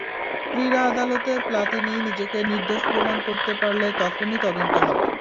ক্রীড়া আদালতে প্লাতিনি নিজেকে নির্দোষ প্রমাণ করতে পারলে তখনই তদন্ত হবে।